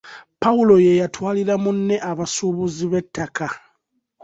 Pawulo ye yatwalira munne abasuubuzi b'ettaka!